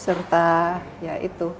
serta ya itu